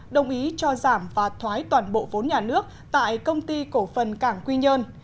đồng ý cho giảm và thoái toàn bộ vốn nhà nước tại công ty cổ phần cảng quy nhơn